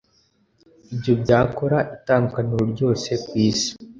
ibyo byakora itandukaniro ryose kwisi.